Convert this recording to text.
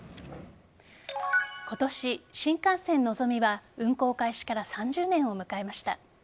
今年、新幹線のぞみは運行開始から３０年を迎えました。